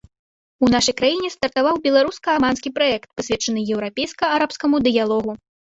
У нашай краіне стартаваў беларуска-аманскі праект, прысвечаны еўрапейска-арабскаму дыялогу.